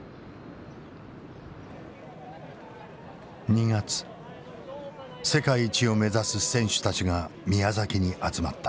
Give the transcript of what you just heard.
２月世界一を目指す選手たちが宮崎に集まった。